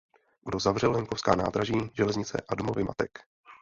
Kdo zavřel venkovská nádraží, železnice a domovy matek?